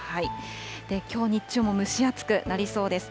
きょう日中も蒸し暑くなりそうです。